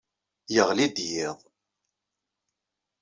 Iɣli-d yiḍ!